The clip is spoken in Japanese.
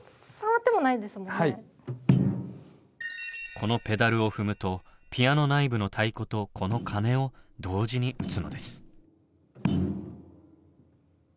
このペダルを踏むとピアノ内部の太鼓とこの鐘を同時に打つのです。